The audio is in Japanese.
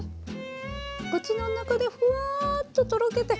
口の中でフワーッととろけて。